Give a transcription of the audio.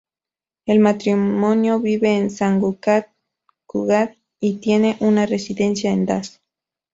El matrimonio vive en San Cugat y tiene una residencia en Das.